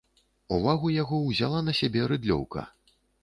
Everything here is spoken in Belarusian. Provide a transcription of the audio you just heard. Увагу яго ўзяла на сябе рыдлёўка.